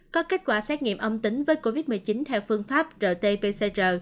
có kết quả xét nghiệm âm tính với covid một mươi chín theo phương pháp rt pcr